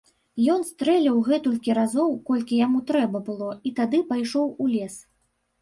Ён стрэліў гэтулькі разоў, колькі яму трэба было, і тады пайшоў у лес.